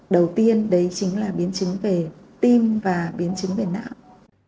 đầu tiên đấy chính là biến chứng về tim và biến chứng về não